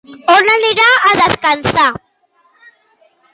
On anirà a descansar?